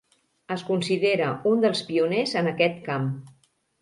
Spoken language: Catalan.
Es considera un dels pioners en aquest camp.